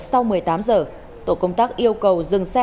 sau một mươi tám giờ tổ công tác yêu cầu dừng xe